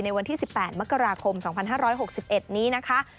วันที่๑๘มกราคม๒๕๖๑นี้นะคะ